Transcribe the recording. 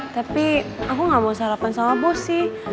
tapi aku gak mau sarapan sama bos sih